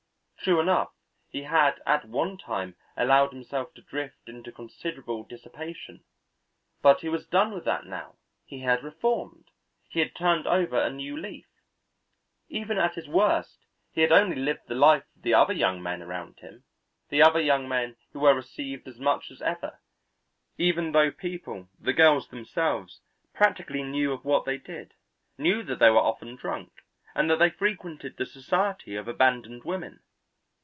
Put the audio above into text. True enough he had at one time allowed himself to drift into considerable dissipation, but he was done with that now, he had reformed, he had turned over a new leaf. Even at his worst he had only lived the life of the other young men around him, the other young men who were received as much as ever, even though people, the girls themselves, practically knew of what they did, knew that they were often drunk, and that they frequented the society of abandoned women.